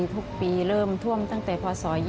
ทุกปีเริ่มท่วมตั้งแต่พศ๒๕